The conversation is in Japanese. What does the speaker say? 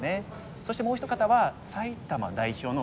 そしてもう一方は埼玉代表の野中さん。